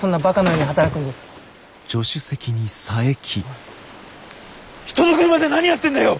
おい人の車で何やってんだよ！